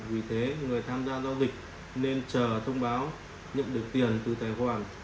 vì thế người tham gia giao dịch nên chờ thông báo nhận được tiền từ tài khoản